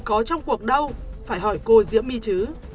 có trong cuộc đâu phải hỏi cô diễm my chứ